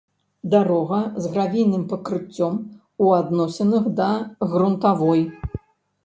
дарога з гравійным пакрыццём у адносінах да грунтавой